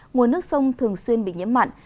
nguồn nước sông thường xuyên bị nhiễm mặn